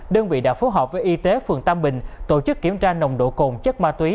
đơn vị đã phối hợp với y tế phường tam bình tổ chức kiểm tra nồng độ cồn chất ma túy